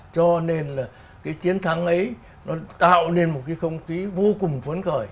cho nên là cái chiến thắng ấy nó tạo nên một cái không khí vô cùng vấn khởi